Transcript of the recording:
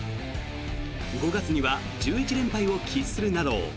５月には１１連敗を喫するなど